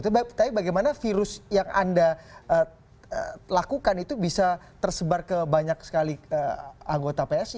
tapi bagaimana virus yang anda lakukan itu bisa tersebar ke banyak sekali anggota psi